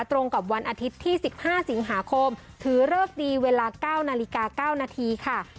ตรงกับวันอาทิตย์ที่สิบห้าสิงหาคมถือเริ่มดีเวลาเก้านาฬิกาเก้านาทีค่ะ